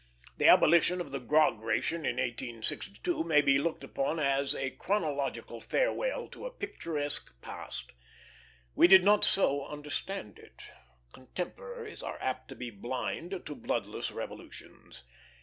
The abolition of the grog ration in 1862 may be looked upon as a chronological farewell to a picturesque past. We did not so understand it. Contemporaries are apt to be blind to bloodless revolutions.